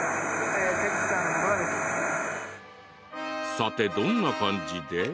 さて、どんな感じで？